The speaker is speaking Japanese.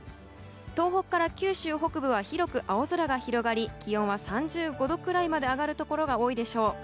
東北から九州北部は広く青空が広がり気温は３５度くらいまで上がるところが多いでしょう。